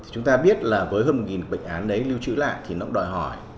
chúng ta biết là với hơn một bệnh án đấy lưu trữ lại thì nó đòi hỏi